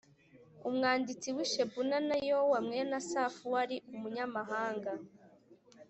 umwanditsi Shebuna, na Yowa mwene Asafu wari umunyamahanga,